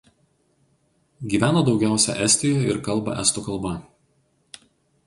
Gyvena daugiausia Estijoje ir kalba estų kalba.